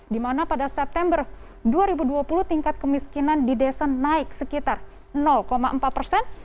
di mana pada september dua ribu dua puluh tingkat kemiskinan di desa naik sekitar empat persen